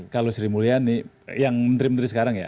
kalau sri mulyani yang menteri menteri sekarang ya